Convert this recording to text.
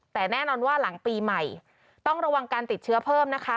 แต่แน่นอนว่าหลังปีใหม่ต้องระวังการติดเชื้อเพิ่มนะคะ